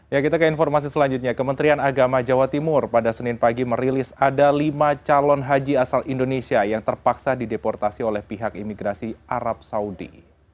ya kita ke informasi selanjutnya kementerian agama jawa timur pada senin pagi merilis ada lima calon haji asal indonesia yang terpaksa dideportasi oleh pihak imigrasi arab saudi